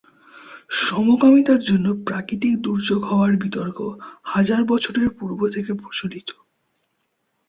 সমকামিতার জন্য প্রাকৃতিক দুর্যোগ হওয়ার বিতর্ক হাজার বছরের পূর্ব থেকে প্রচলিত।